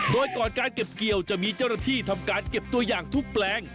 โดยก่อนการเก็บเกี่ยวจะมีเจ้าหน้าที่ทำการเก็บตัวอย่างทุกแปลง